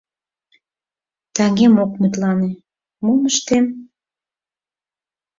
Таҥем ок мутлане, мом ыштем?